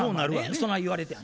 そない言われて。